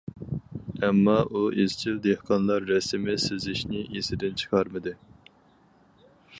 ئەمما ئۇ ئىزچىل دېھقانلار رەسىمى سىزىشنى ئېسىدىن چىقارمىدى.